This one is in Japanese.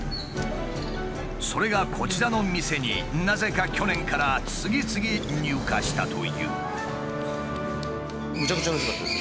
それがこちらの店になぜか去年から次々入荷したという。